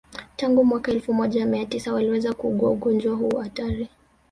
Tangu mwaka elfu moja Mia tisa waliweza kuugua ugonjwa huu hatari